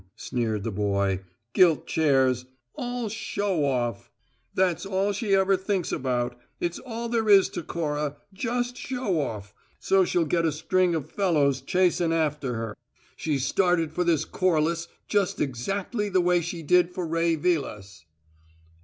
sneered the boy. "Gilt chairs! All show off! That's all she ever thinks about. It's all there is to Cora, just show off, so she'll get a string o' fellows chasin' after her. She's started for this Corliss just exactly the way she did for Ray Vilas!"